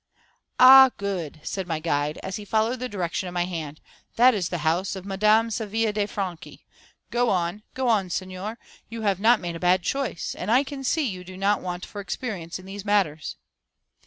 "Ah, good!" said my guide, as he followed the direction of my hand "that is the house of Madame Savilia de Franchi. Go on, go on, Signor, you have not made a bad choice, and I can see you do not want for experience in these matters."